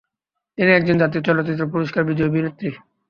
তিনি একজন জাতীয় চলচ্চিত্র পুরস্কার বিজয়ী অভিনেত্রী।